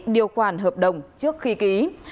điều khoản hợp đồng trước khi ký